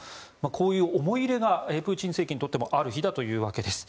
こういう思い入れがプーチン政権にとってもある日だというわけです。